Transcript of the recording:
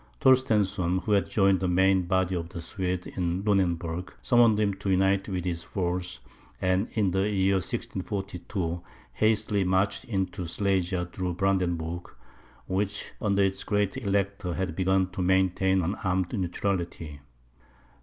Torstensohn, who had joined the main body of the Swedes in Lunenburg, summoned him to unite with his force, and in the year 1642 hastily marched into Silesia through Brandenburg, which, under its great Elector, had begun to maintain an armed neutrality.